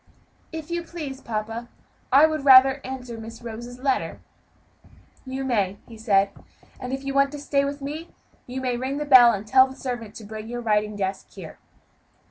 "If you please, papa, I would rather answer Miss Rose's letter." "You may," he said, "and if you want to stay with me, you may ring the bell and tell the servant to bring your writing desk here."